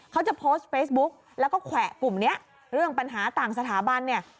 เขาจะโพสต์เฟซบุ๊กแล้วก็แขวะกลุ่มนี้เรื่องปัญหาต่างสถาบันเนี่ย